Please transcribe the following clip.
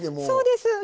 そうです。